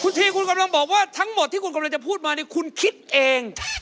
ทีคุณกำลังบอกว่าทั้งหมดที่คุณกำลังจะพูดมานี่คุณคิดเอง